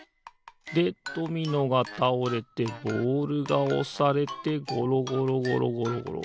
でドミノがたおれてボールがおされてごろごろごろごろ。